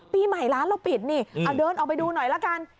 ปีใหม่ร้านเราปิดนี่เอาเดินออกไปดูหน่อยละกัน